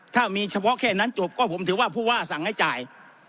ถ้ามีเฉพาะแค่นั้นจบก็ผมถือว่าผู้ว่าสั่งให้จ่าย